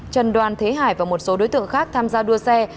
trần đoàn thế hải và một số đối tượng khác tham gia đua xe